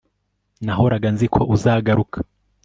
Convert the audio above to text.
Nahoraga nzi ko uzagaruka